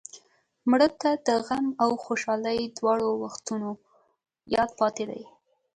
مړه ته د غم او خوشحالۍ دواړو وختونو یاد پاتې دی